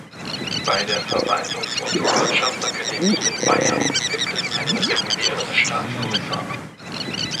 Bei der Verwaltungs- und Wirtschaftsakademie in Bayern gibt es einen "regulären Staatskommissar".